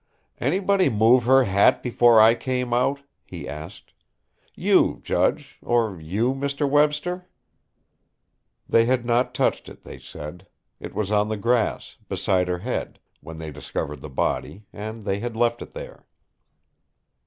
"Anybody move her hat before I came out?" he asked; "you, judge; or you, Mr. Webster?" They had not touched it, they said; it was on the grass, beside her head, when they discovered the body, and they had left it there.